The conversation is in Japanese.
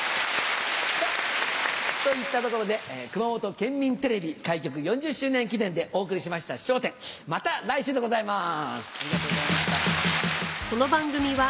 といったところで熊本県民テレビ開局４０周年記念でお送りしました『笑点』また来週でございます。